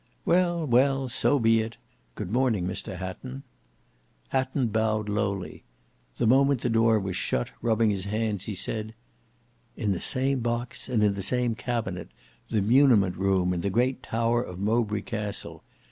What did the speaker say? "Well, well; so be it. Good morning, Mr Hatton." Hatton bowed lowly. The moment the door was shut, rubbing his hands, he said, "In the same box and in the same cabinet: the muniment room in the great tower of Mowbray Castle!